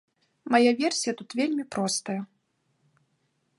Мая версія тут вельмі простая.